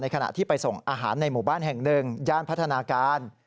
ขณะที่ไปส่งอาหารในหมู่บ้านแห่งหนึ่งย่านพัฒนาการ